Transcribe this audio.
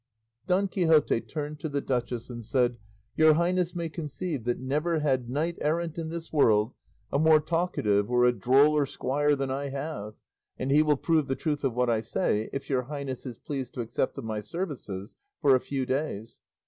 Don Quixote turned to the duchess and said, "Your highness may conceive that never had knight errant in this world a more talkative or a droller squire than I have, and he will prove the truth of what I say, if your highness is pleased to accept of my services for a few days."